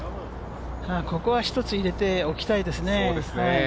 ここは一つ、入れておきたいですね。